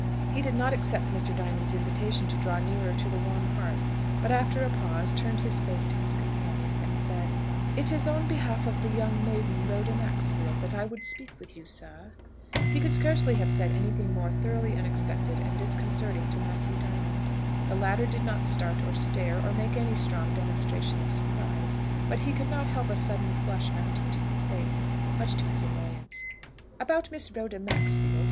He did not accept Mr. Diamond's invitation to draw nearer to the warm hearth, but, after a pause, turned his face to his companion, and said, "It is on behalf of the young maiden, Rhoda Maxfield, that I would speak with you, sir." He could scarcely have said anything more thoroughly unexpected and disconcerting to Matthew Diamond. The latter did not start or stare, or make any strong demonstration of surprise, but he could not help a sudden flush mounting to his face, much to his annoyance. "About Miss Rhoda Maxfield?"